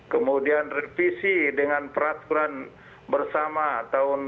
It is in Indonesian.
kemudian revisi dengan peraturan bersama tahun dua ribu sembilan